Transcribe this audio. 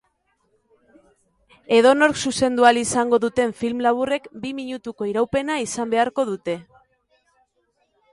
Edonork zuzendu ahal izango duten film laburrek bi minutuko iraupena izan beharko dute.